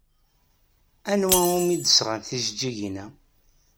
Anwa umi d-sɣan tijeǧǧigin-a?